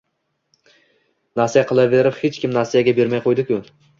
Nasiya qilaverib, hech kim nasiyaga bermay qoʻydi-ku